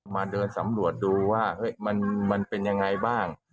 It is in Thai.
เดินสำรวจดูว่ามันเป็นยังไงบ้าง